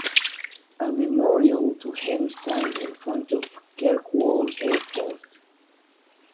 A memorial to him stands in front of Kirkwall Airport.